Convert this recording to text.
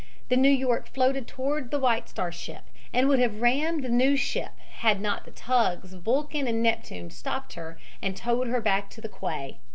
The New York floated toward the White Star ship, and would have rammed the new ship had not the tugs Vulcan and Neptune stopped her and towed her back to the quay.